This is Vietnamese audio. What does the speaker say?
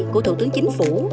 của thủ tướng chính phủ